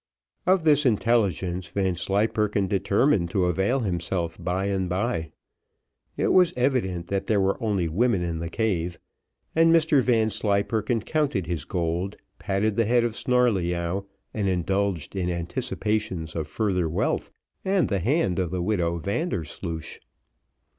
Of this intelligence Vanslyperken determined to avail himself by and bye. It was evident that there were only women in the cave, and Mr Vanslyperken counted his gold, patted the head of Snarleyyow, and indulged in anticipations of further wealth, and the hand of the widow Vandersloosh.